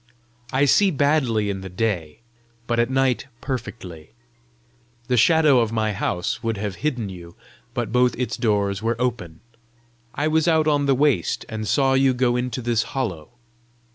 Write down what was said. I see badly in the day, but at night perfectly. The shadow of my house would have hidden you, but both its doors were open. I was out on the waste, and saw you go into this hollow.